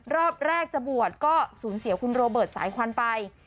รอบแรกจะบวชก็สูญเสียคุณโรเบิร์ตสายควันไป